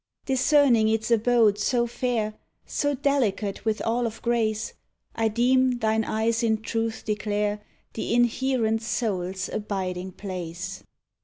Discerning its abode so fair, So delicate with all of grace, I deem thine eyes in truth declare The inherent soul's abiding place.